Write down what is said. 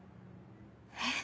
えっ？